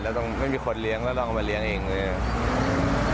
แล้วต้องไม่มีคนเลี้ยงแล้วต้องเอาไปเลี้ยงเองเลย